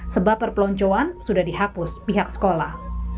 sebab perpeloncoan sudah dihapus pihak sekolah